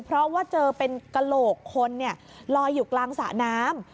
เพราะว่าเจอเป็นกระโหลกคนลอยอยู่กลางสระน้ำ